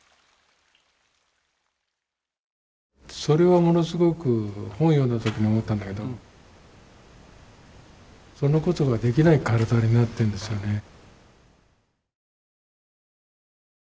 それはものすごく本読んだ時に思ったんだけどそのことができない体になってるんですよね。